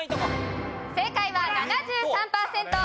正解は７３パーセント。